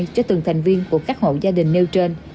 cho từng thành viên của các hộ gia đình nêu trên